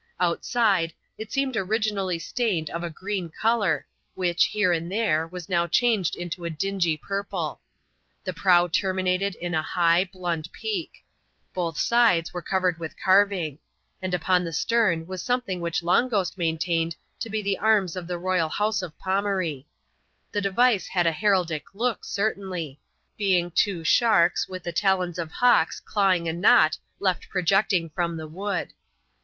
Outside, it seemed originaWy slaMaa^ ot ^ ^^^tl ^olour^ which, here and there, was novr chan^e^ m\.o ^ ^m^^ y^ot^^ '^^^ Kfi.] MUSQUITOE& Sir fTCfw termmated ui a high, blunt beak ; both sides were covered with carving ; and upon the stem was something which Ixm^f Ghost maintained to be the arms of the ro3ral House of P(»na ree. The device had an heraldic look, certainly — being two sharks with the talons of hawks clawing a knot left projecting from the wood.